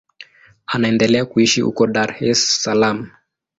Anaendelea kuishi huko Dar es Salaam.